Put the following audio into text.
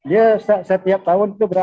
ya setiap tahun itu berapa